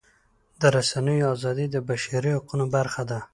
د رسنیو ازادي د بشري حقونو برخه ده.